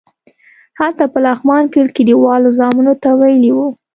هلته په لغمان کې کلیوالو زامنو ته ویلي وو.